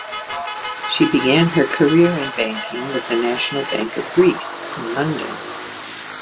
She began her career in banking with the National Bank of Greece in London.